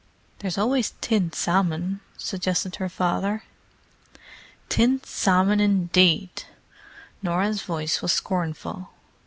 "There's always tinned salmon," suggested her father. "Tinned salmon, indeed!" Norah's voice was scornful.